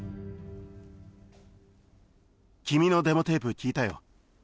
君のデモテープ聴いたよ